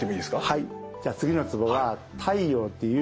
はい。